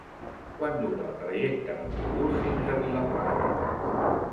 Quant dura el trajecte en autobús fins a Vilaplana?